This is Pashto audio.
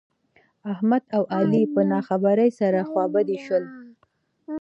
احمد او علي په نه خبره سره خوابدي شول.